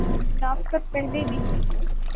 منافقت پہلے بھی تھی۔